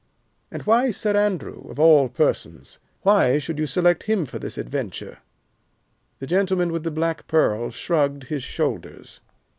"And why Sir Andrew, of all persons why should you select him for this adventure?" The gentleman with the black pearl shrugged his shoulders.